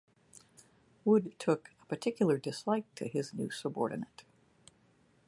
Wood took a particular dislike to his new subordinate.